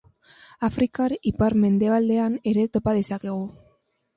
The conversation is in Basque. Afrika ipar-mendebaldean ere topa dezakegu.